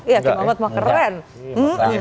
iya aki mahmud mah keren